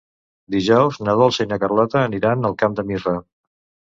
Dijous na Dolça i na Carlota aniran al Camp de Mirra.